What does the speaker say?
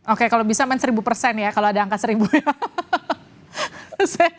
oke kalau bisa main seribu persen ya kalau ada angka seribu ya